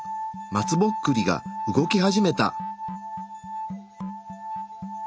松ぼっくりが動き始めた。